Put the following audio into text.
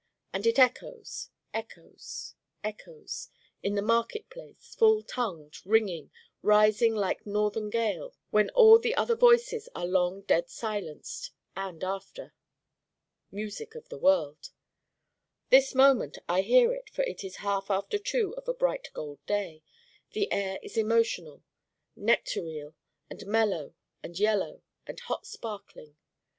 And it echoes, echoes, echoes in the market place full tongued, ringing, rising like the northern gale when all the other voices are long dead silenced: and after. Music of the world. This moment I hear it for it is half after two of a bright gold day. The air is emotional, nectareal, and mellow and yellow and hot sparkling.